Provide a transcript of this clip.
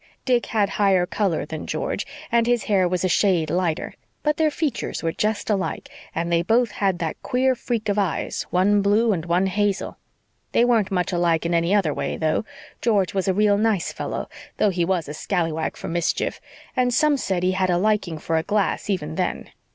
Dick had higher color than George, and his hair was a shade lighter. But their features were just alike, and they both had that queer freak of eyes one blue and one hazel. They weren't much alike in any other way, though. George was a real nice fellow, though he was a scalawag for mischief, and some said he had a liking for a glass even then.